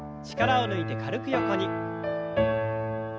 力を抜いて軽く横に。